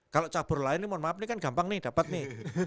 kalau cabur lain ini mohon maaf ini kan gampang nih dapat nih